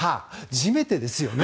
じめてですよね？